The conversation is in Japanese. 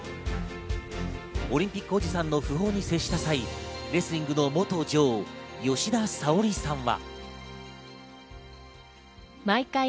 オリンピックおじさんの訃報に接した際、レスリングの元女王・吉田沙保里さんは。